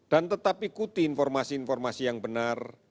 tetap ikuti informasi informasi yang benar